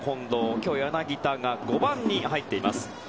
今日、柳田が５番に入っています。